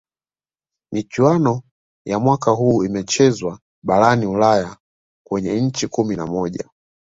michuano ya mwaka huu imechezwa barani ulaya kwenye nchi kumi na moja